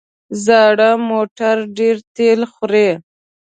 زاړه موټر ډېره تېل خوري.